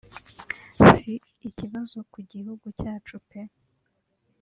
si ikibazo ku gihugu cyacu pe